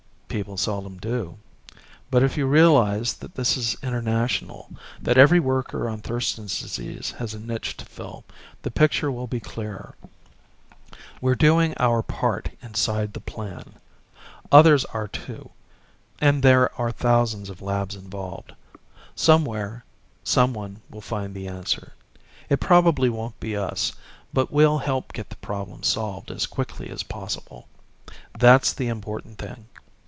"People seldom do. But if you realize that this is international, that every worker on Thurston's Disease has a niche to fill, the picture will be clearer. We're doing our part inside the plan. Others are, too. And there are thousands of labs involved. Somewhere, someone will find the answer. It probably won't be us, but we'll help get the problem solved as quickly as possible. That's the important thing.